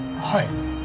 はい。